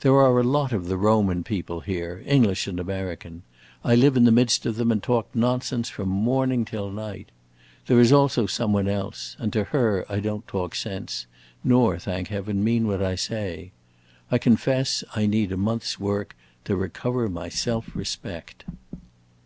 There are a lot of the Roman people here, English and American; I live in the midst of them and talk nonsense from morning till night. There is also some one else; and to her I don't talk sense, nor, thank heaven, mean what I say. I confess, I need a month's work to recover my self respect."